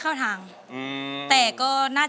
มาฟังอินโทรเพลงที่๙